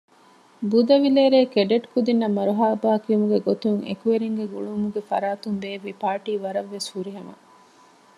ބުދަވިލޭރޭ ކެޑެޓް ކުދިންނަށް މަރުޙަބާ ކިޔުމުގެ ގޮތުން އެކުވެރިންގެ ގުޅުމުގެ ފަރާތުން ބޭއްވި ޕާރޓީ ވަރަށް ވެސް ފުރިހަމަ